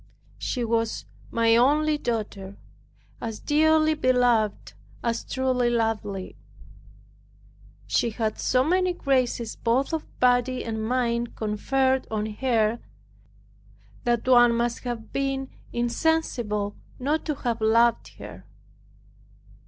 She was my only daughter, as dearly beloved as truly lovely. She had so many graces both of body and mind conferred on her, that one must have been insensible not to have loved her.